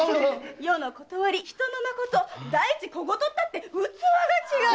世の理人のまこと第一小言ったって器が違う！